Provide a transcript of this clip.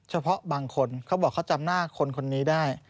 เฉพาะบางคนเขาบอกเขาจำหน้าคนคนนี้ได้